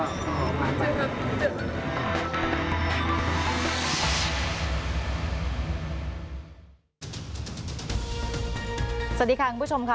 สวัสดีค่ะคุณผู้ชมค่ะ